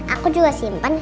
aku juga simpen